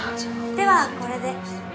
ではこれで。